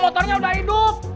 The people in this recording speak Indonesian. motornya udah hidup